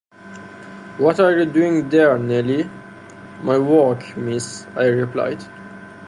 ‘What are you doing there, Nelly?’ ‘My work, Miss,’ I replied.